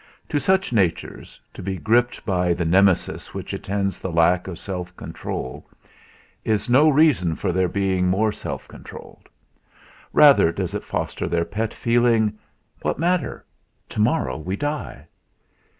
To such natures, to be gripped by the Nemesis which attends the lack of self control is no reason for being more self controlled. Rather does it foster their pet feeling: "What matter? To morrow we die!"